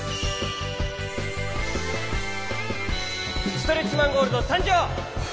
ストレッチマン・ゴールドさんじょう！